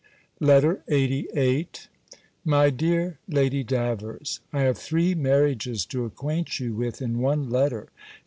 LETTER LXXXVIII MY DEAR LADY DAVERS, I have three marriages to acquaint you with, in one letter.